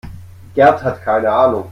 Gerd hat keine Ahnung.